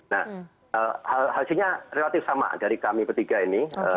nah hasilnya relatif sama dari kami ketiga ini